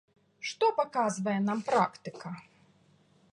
Што паказвае нам практыка?